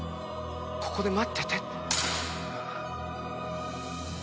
ここで待っててって。